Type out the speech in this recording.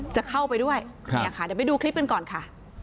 จะเข้าไปด้วยเนี่ยค่ะเดี๋ยวไปดูคลิปกันก่อนค่ะ